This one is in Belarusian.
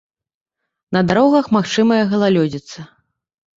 На дарогах магчымая галалёдзіца.